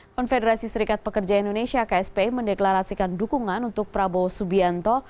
konfederasi serikat pekerja indonesia ksp mendeklarasikan dukungan untuk prabowo subianto